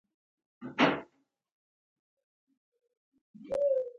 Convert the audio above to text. متولیان د اسلام د پاچاهۍ څوکیداران دي.